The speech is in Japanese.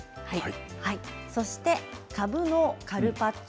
そしてかぶのカルパッチョ